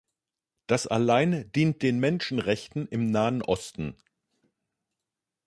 Das allein dient den Menschenrechten im Nahen Osten!